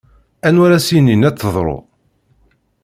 Anwa ara s-yinin ad teḍṛu?